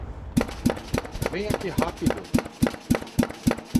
Venha aqui rápido!